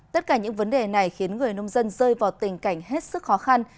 tất cả những vấn đề này khiến người nông dân rơi vào tình cảnh hết sức khó khăn